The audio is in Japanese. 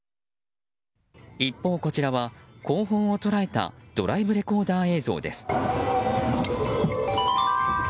一方こちらは、後方を捉えたドライブレコーダー映像です。